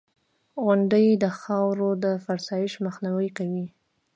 • غونډۍ د خاورو د فرسایش مخنیوی کوي.